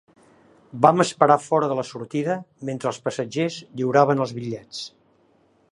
Van esperar fora de la sortida mentre els passatgers lliuraven els bitllets.